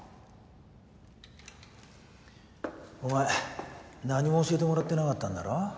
お前何も教えてもらってなかったんだろ？